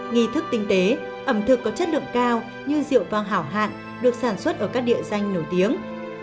nghi thức tinh tế ẩm thực có chất lượng cao như rượu vang hảo hạng được sản xuất ở các địa danh nổi tiếng